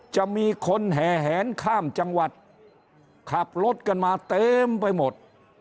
จะมีคนแห่แหนข้ามจังหวัดขับรถกันมาเต็มไปหมด